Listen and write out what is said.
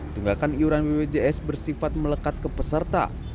tunggakan iuran bpjs bersifat melekat ke peserta